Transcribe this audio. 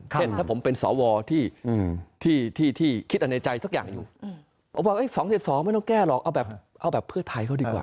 เช่นถ้าผมเป็นสวที่คิดในใจสักอย่างอยู่ผมบอก๒๗๒ไม่ต้องแก้หรอกเอาแบบเพื่อไทยเขาดีกว่า